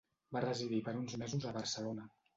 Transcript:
Va residir per uns mesos a Barcelona.